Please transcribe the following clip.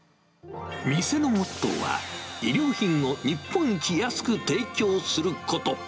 店のモットーは、衣料品を日本一安く提供すること。